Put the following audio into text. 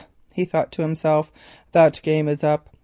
he thought to himself, "that game is up.